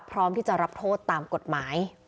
พร้อมจะรับโทษนะ